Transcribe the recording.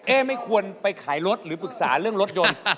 ไม่ควรไปขายรถหรือปรึกษาเรื่องรถยนต์